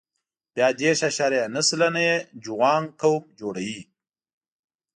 بیا دېرش اعشاریه نهه سلنه یې جوانګ قوم جوړوي.